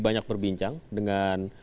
banyak berbincang dengan